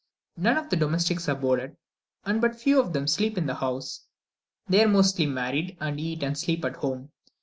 None of the domestics are boarded, and but few of them sleep in the house: they are mostly married, and eat and sleep at home.